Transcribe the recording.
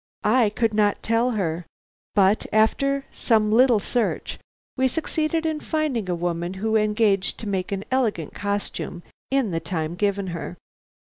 I could not tell her. But after some little search we succeeded in finding a woman who engaged to make an elegant costume in the time given her.